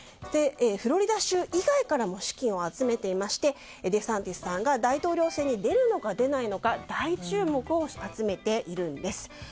フロリダ州以外からも資金を集めていましてデサンティスさんが大統領選に出るのか出ないのか大注目を集めているんです。